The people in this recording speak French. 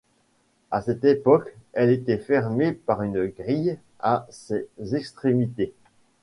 À cette époque, elle était fermée par une grille à ses extrémités.